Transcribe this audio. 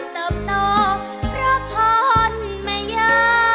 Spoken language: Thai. เพลงกลับสู้ค่า